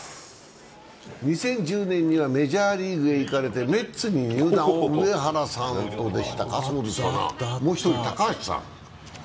２０１０年にはメジャーリーグへ行かれて、メッツに入団を、上原さんでしたかもう一人、高橋さん。